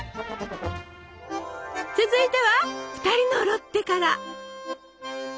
続いては「ふたりのロッテ」から！